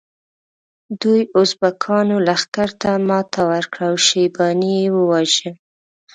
دوی ازبکانو لښکر ته ماته ورکړه او شیباني یې وواژه.